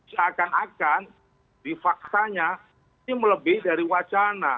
seakan akan di faktanya ini melebih dari wacana